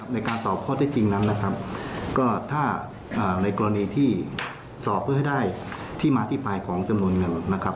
ในการสอบข้อเท็จจริงนั้นนะครับก็ถ้าในกรณีที่สอบเพื่อให้ได้ที่มาที่ไปของจำนวนเงินนะครับ